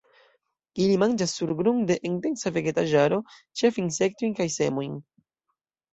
Ili manĝas surgrunde en densa vegetaĵaro, ĉefe insektojn kaj semojn.